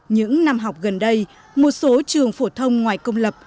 những năm học gần đây một số trường phổ thông ngoài công lập